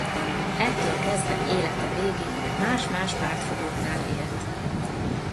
Ettől kezdve élete végéig más-más pártfogóknál élt.